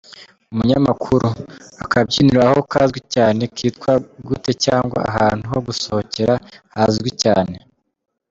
Umunyamakuru: Akabyiniro aho kazwi cyane kitwa gute cyangwa ahantu ho gusohokera hazwi cyane?.